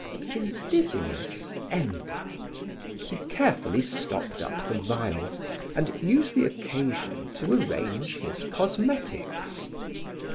His dizziness ended. He carefully stopped up the vials, and used the occasion to arrange his cosmetics.